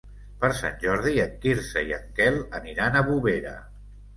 Per Sant Jordi en Quirze i en Quel aniran a Bovera.